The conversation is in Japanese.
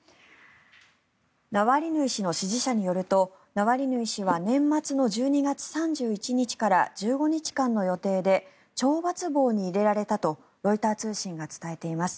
ナワリヌイ氏の支持者によるとナワリヌイ氏は年末の１２月３１日から１５日間の予定で懲罰房に入れられたとロイター通信が伝えています。